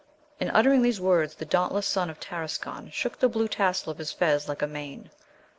In uttering these words the dauntless son of Tarascon shook the blue tassel of his fez like a mane.